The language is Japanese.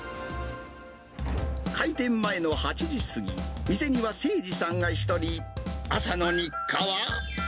開店前の８時過ぎ、店には清二さんが１人、朝の日課は。